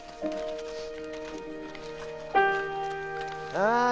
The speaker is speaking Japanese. ああ！